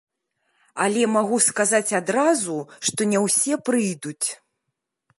Але магу сказаць адразу, што не ўсе прыйдуць.